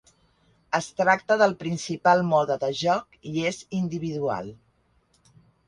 Es tracta del principal mode de joc i és individual.